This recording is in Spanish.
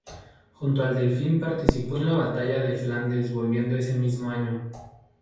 Junto al Delfín participó en la batalla de Flandes volviendo ese mismo año.